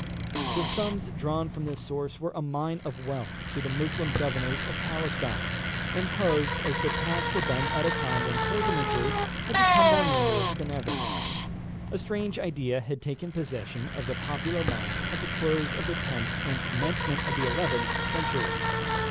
The sums drawn from this source were a mine of wealth to the Moslem governors of Palestine, imposed as the tax had been at a time when pilgrimages had become more numerous than ever. A strange idea had taken possession of the popular mind at the close of the tenth and commencement of the eleventh century.